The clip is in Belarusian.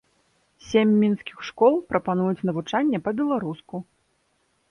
Сем мінскіх школ прапануюць навучанне па-беларуску.